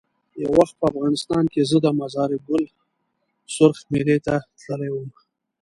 یو وخت په افغانستان کې زه د مزار ګل سرخ میلې ته تللی وم.